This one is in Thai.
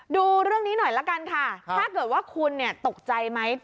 ดูเรื่องนี้หน่อยละกันค่ะถ้าเกิดว่าคุณเนี่ยตกใจไหม